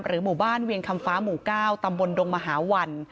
หมู่บ้านเวียงคำฟ้าหมู่๙ตำบลดงมหาวัน